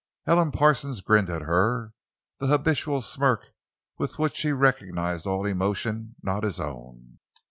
Elam Parsons grinned at her—the habitual smirk with which he recognized all emotion not his own.